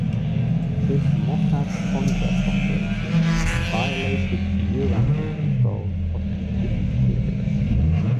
This Mossad covert operation violated Euratom controls of nuclear materials.